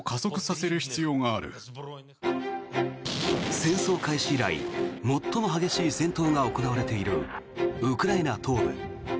戦争開始以来最も激しい戦闘が行われているウクライナ東部。